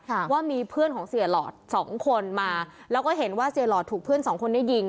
ว่ามีเพื่อนของเสียหลอดสองคนมาแล้วก็เห็นว่าเสียหลอดถูกเพื่อนสองคนนี้ยิง